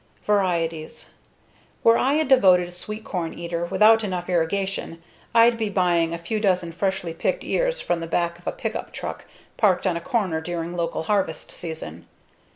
Varieties: Were I a devoted sweetcorn eater without enough irrigation, I'd be buying a few dozen freshly picked ears from the back of a pickup truck parked on a corner during local harvest season.